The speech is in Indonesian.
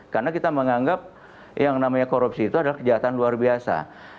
karena kita menganggap yang namanya korupsi itu adalah kejahtaan luar biasa